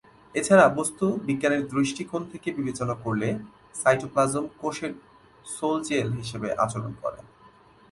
এছাড়া, বস্তু বিজ্ঞানের দৃষ্টিকোণ থেকে বিবেচনা করলে, সাইটোপ্লাজম কোষের সোল-জেল হিসেবে আচরণ করে।